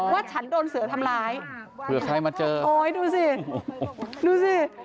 ฉันโดนเสือทำร้ายเผื่อใครมาเจอโอ้ยดูสิดูสิ